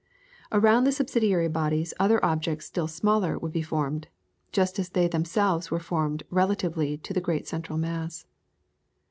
Around the subsidiary bodies other objects still smaller would be formed, just as they themselves were formed relatively to the great central mass.